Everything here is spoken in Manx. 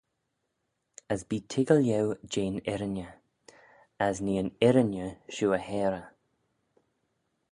As bee toiggal eu jeh'n irriney, as nee yn irriney shiu y heyrey.